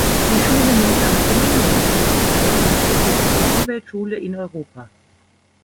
Die Schule nimmt am Comenius-Programm teil und trägt den Titel Umweltschule in Europa.